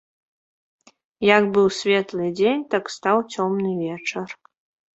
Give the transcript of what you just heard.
Як быў светлы дзень, так стаў цёмны вечар.